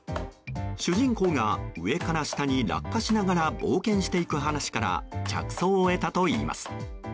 主人公が上から下に落下しながら冒険していく話から着想を得たといいます。